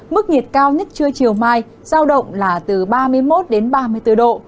mức nhiệt cao nhất trưa chiều mai giao động là từ ba mươi một đến ba mươi bốn độ